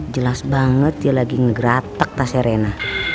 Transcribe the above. jelas banget dia lagi ngegratek tasnya rena